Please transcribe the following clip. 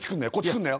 来んなよ